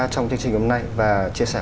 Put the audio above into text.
trong chương trình hôm nay và chia sẻ